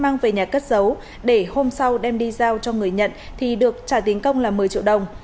mang về nhà cất giấu để hôm sau đem đi giao cho người nhận thì được trả tiền công là một mươi triệu đồng